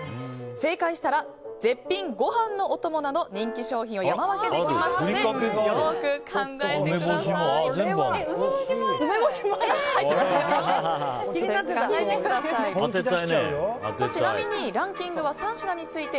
正解したら絶品ご飯のお供など人気商品を山分けできますので梅干しもある！